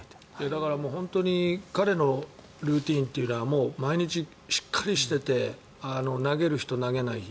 だから彼のルーチンというのはもう毎日しっかりしていて投げる日と投げない日。